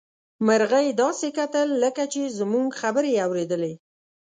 مرغۍ داسې کتل لکه چې زموږ خبرې يې اوريدلې.